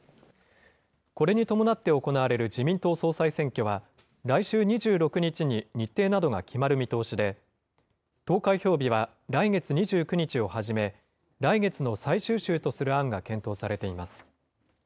これに伴って行われる自民党総裁選挙は、来週２６日に日程などが決まる見通しで、投開票日は来月２９日をはじめ、来月の最終週とする案が検討されています。